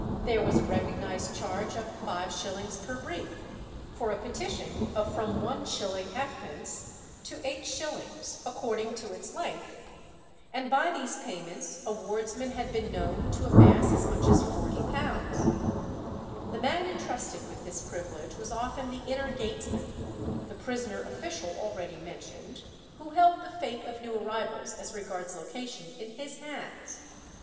There was a recognized charge of 5_s._ per brief, for a petition of from 1_s._ 6_d._ to 8_s._, according to its length, and by these payments a wardsman had been known to amass as much as £40. The man intrusted with this privilege was often the inner gatesman, the prisoner official already mentioned, who held the fate of new arrivals as regards location in his hands.